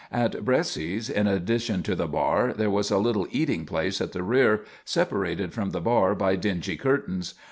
At Bresci's, in addition to the bar, there was a little eating place at the rear, separated from the bar by dingy curtains.